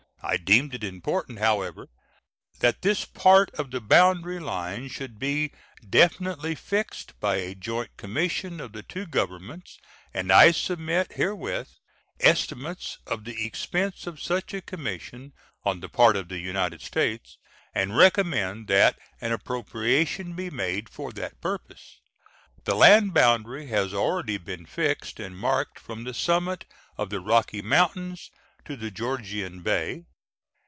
I deem it important, however, that this part of the boundary line should be definitely fixed by a joint commission of the two Governments, and I submit herewith estimates of the expense of such a commission on the part of the United States and recommend that an appropriation be made for that purpose. The land boundary has already been fixed and marked from the summit of the Rocky Mountains to the Georgian Bay.